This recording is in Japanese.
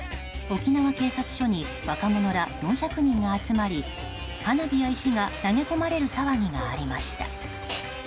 沖縄警察署に若者ら４００人が集まり花火や石が投げ込まれる騒ぎがありました。